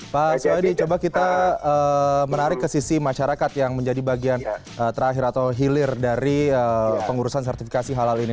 pak soedi coba kita menarik ke sisi masyarakat yang menjadi bagian terakhir atau hilir dari pengurusan sertifikasi halal ini